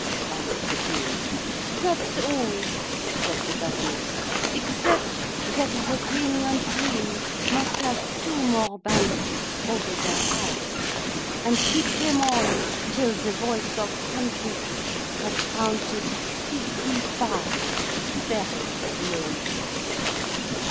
asked the Queen. 'That's all,' said the governess, 'except that the king and queen must have two more bandages over their eyes, and keep them on till the voice of conscience has counted fifty five very slowly.'